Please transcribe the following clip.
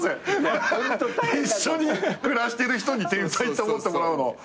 一緒に暮らしてる人に天才って思ってもらうの。